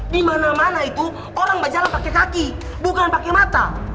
dimana mana itu orang mau jalan pakai kaki bukan pakai mata